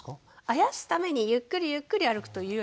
あやすためにゆっくりゆっくり歩くというよりはですね